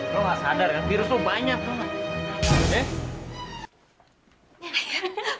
lo gak sadar kan virus tuh banyak